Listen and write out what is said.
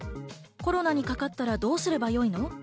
コロナにかかったらどうすればいいの？